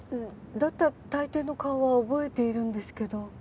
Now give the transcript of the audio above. だったら大抵の顔は覚えているんですけど。